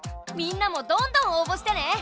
みんなもどんどん応ぼしてね。